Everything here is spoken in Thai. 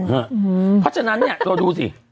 เพราะฉะนั้นเราดูสิ